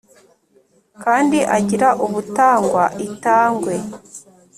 kandi agira ubutangwa itangwe